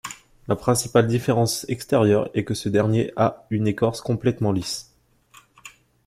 La principale différence extérieure est que ce dernier a une écorce complètement lisse.